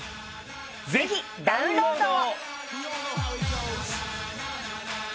ぜひダウンロードを。